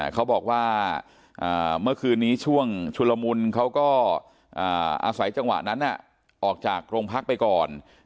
เขาบอกว่าเมื่อคืนนี้ช่วงชุลมุนเขาก็อาศัยจังหวะนั้นออกจากโรงพักไปก่อน